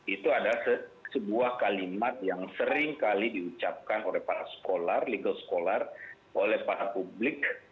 itu adalah sebuah kalimat yang seringkali diucapkan oleh para sekolah legal sekolah oleh para publik